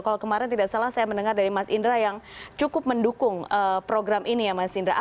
kalau kemarin tidak salah saya mendengar dari mas indra yang cukup mendukung program ini ya mas indra